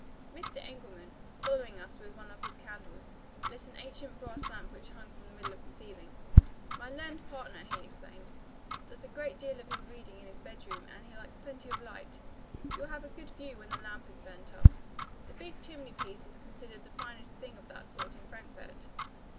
Mr. Engelman, following us with one of his candles, lit an ancient brass lamp which hung from the middle of the ceiling. "My learned partner," he explained, "does a great deal of his reading in his bedroom, and he likes plenty of light. You will have a good view when the lamp has burnt up. The big chimney piece is considered the finest thing of that sort in Frankfort."